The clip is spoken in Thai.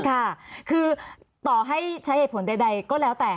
ค่ะคือต่อให้ใช้เหตุผลใดก็แล้วแต่